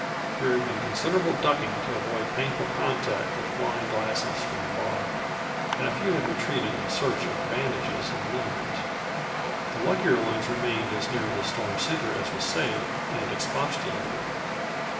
There had been considerable ducking to avoid painful contact with flying glasses from the bar, and a few had retreated in search of bandages and liniment; the luckier ones remained as near the storm center as was safe and expostulated.